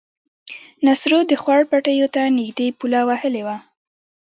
نصرو د خوړ پټيو ته نږدې پوله وهلې وه.